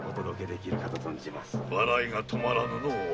笑いがとまらんのう。